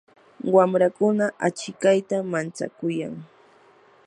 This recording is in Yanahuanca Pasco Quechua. wamrakuna achikayta manchakuyan.